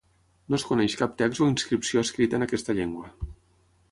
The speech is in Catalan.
No es coneix cap text o inscripció escrita en aquesta llengua.